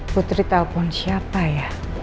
putri telfon siapa ya